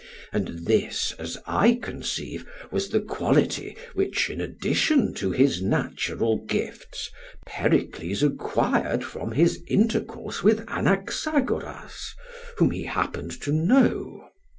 And this, as I conceive, was the quality which, in addition to his natural gifts, Pericles acquired from his intercourse with Anaxagoras whom he happened to know.